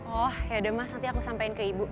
oh yaudah mas nanti aku sampein ke ibu